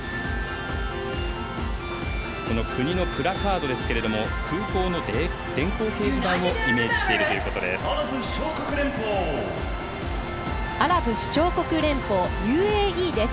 国のプラカードですが空港の電光掲示板をイメージしているということです。